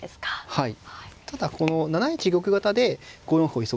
はい。